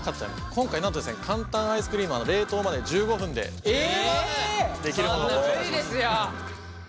今回なんとですね簡単アイスクリームは冷凍まで１５分でできるものをご紹介します。